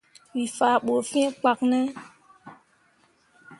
We faa bu fĩĩ kpak ne?